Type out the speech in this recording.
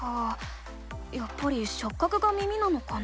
やっぱりしょっ角が耳なのかな？